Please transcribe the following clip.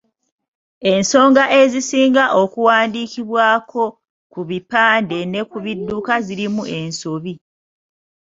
Ensonga ezisinga okuwandiikibwako ku bipande ne ku bidduka zirimu ensobi.